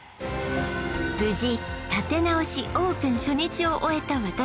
無事立て直しオープン初日を終えた